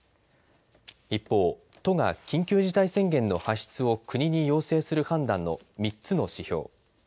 一方、都が緊急事態宣言の発出を国に要請する判断の３つの指標